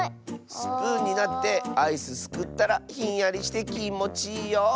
スプーンになってアイスすくったらひんやりしてきもちいいよきっと。